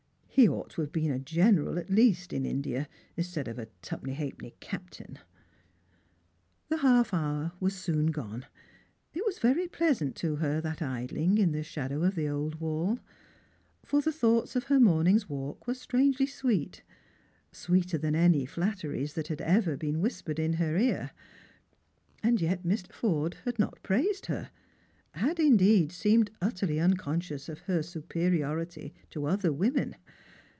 He ought to have been a general at leus^ in India, instead of a twopenny halfpenny captain !"' The half hour was soon gone. It was very ])leasant to her, that idling in the shadow of the old wall ; for the thoughts of her morning's walk were strangely sweet — sweeter than any flat teries that had ever been whispered in her ear. And yet Mr. Forde had not praised her; had indeed seemed utterly uncon« Bcious of her superiority to other women.